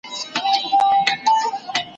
چي په شا یې وو خورجین چي پر ده بار وو `